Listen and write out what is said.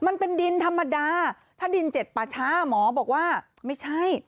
มันเป็นดินธรรมดาถ้าดินเจ็ดป่าช้าหมอบอกว่าไม่ใช่